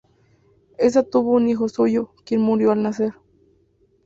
Esta tuvo un hijo suyo, quien murió al nacer.